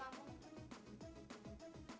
aku ngantuk semua